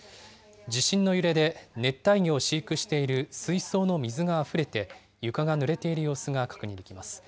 地震の揺れで熱帯魚を飼育している水槽の水があふれて、床がぬれている様子が確認できます。